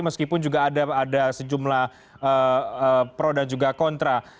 meskipun juga ada sejumlah pro dan juga kontra